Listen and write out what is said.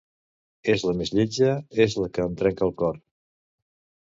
És la més lletja, és la que em trenca el cor.